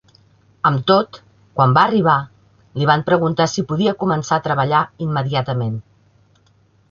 Amb tot, quan va arribar, li van preguntar si podia començar a treballar immediatament.